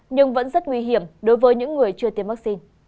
nhưng vẫn rất nguy hiểm đối với những người chưa tiêm vaccine